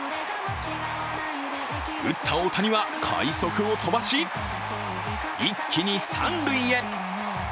打った大谷は、快足を飛ばし一気に三塁へ。